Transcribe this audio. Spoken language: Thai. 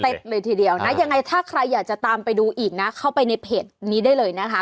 เลยทีเดียวนะยังไงถ้าใครอยากจะตามไปดูอีกนะเข้าไปในเพจนี้ได้เลยนะคะ